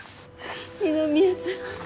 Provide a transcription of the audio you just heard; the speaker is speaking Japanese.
二宮さん。